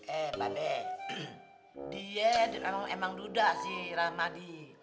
eh mbak be dia emang duda sih rahmadi